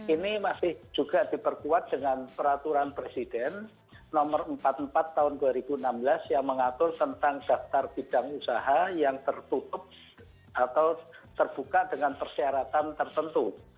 ini masih juga diperkuat dengan peraturan presiden nomor empat puluh empat tahun dua ribu enam belas yang mengatur tentang daftar bidang usaha yang tertutup atau terbuka dengan persyaratan tertentu